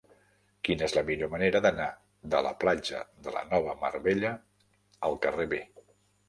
Quina és la millor manera d'anar de la platja de la Nova Mar Bella al carrer B?